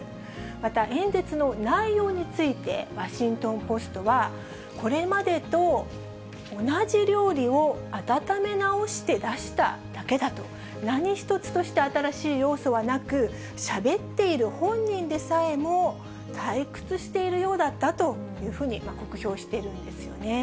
また、演説の内容について、ワシントンポストは、これまでと同じ料理を温め直して出しただけだと、何一つとして新しい要素はなく、しゃべっている本人でさえも、退屈しているようだったというふうに、酷評しているんですよね。